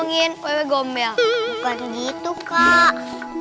angin kue gomel bukan gitu kak